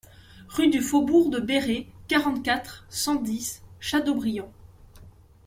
Rue du Faubourg de Béré, quarante-quatre, cent dix Châteaubriant